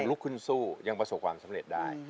ลุกขึ้นสู้ยังประสบความสำเร็จได้